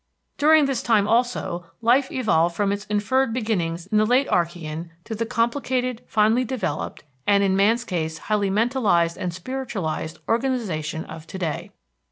During this time also life evolved from its inferred beginnings in the late Archean to the complicated, finely developed, and in man's case highly mentalized and spiritualized organization of To day.